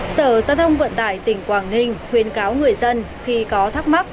sở giao thông vận tải tỉnh quảng ninh khuyến cáo người dân khi có thắc mắc